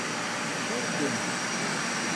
کوردم.